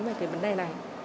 về cái vấn đề này